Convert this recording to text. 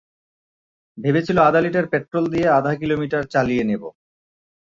ভেবেছিল আধা litre petrol দিয়ে আধা কিলোমিটার চালিয়ে নেবে।